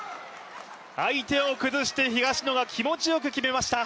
相手を崩して、東野が気持ちよく決めました。